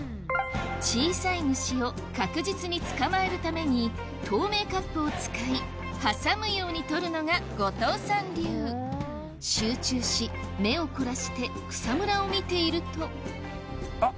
小さい虫を確実に捕まえるために透明カップを使い挟むようにとるのが後藤さん流集中し目を凝らして草むらを見ているとあっ！